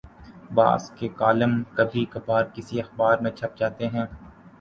بعض کے کالم کبھی کبھارکسی اخبار میں چھپ جاتے ہیں۔